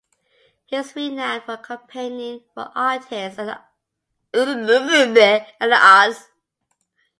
He was renowned for campaigning for artists and the arts.